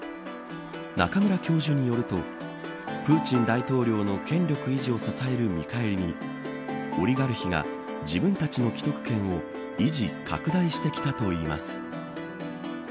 中村教授によるとプーチン大統領の権力維持を支える見返りにオリガルヒが自分たちの既得権を維持、拡大してきたといいます。